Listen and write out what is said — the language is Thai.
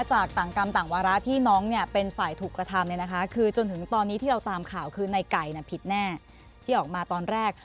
จากต่างกรรมต่างวาระที่น้องเนี่ยเป็นฝ่ายถูกกระทำคือจนถึงตอนนี้ที่เราตามข่าวคือในไก่ผิดแน่ที่ออกมาตอนแรก